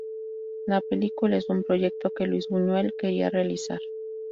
La película es un proyecto que Luis Buñuel quería realizar.